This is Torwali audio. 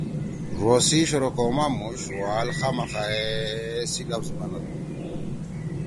ڙو سی شروع کؤ ما مُوش ڙوال خامخا ”اے“ سی لفظ بنَدُو۔